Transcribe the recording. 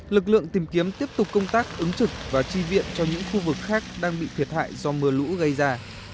lực lượng tìm kiếm tiếp tục công tác ứng trực và tri viện cho những khu vực khác đang bị thiệt hại do mưa lũ gây ra